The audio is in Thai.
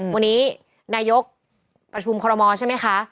วันนี้นายกประชุมคอรมอลใช่ไหมคะ